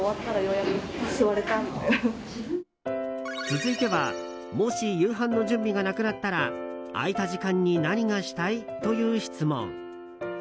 続いてはもし、夕飯の準備がなくなったら空いた時間に何がしたい？という質問。